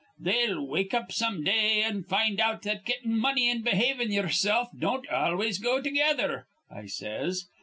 They'll wake up some day, an' find out that gettin' money an behavin' ye'ersilf don't always go together,' I says.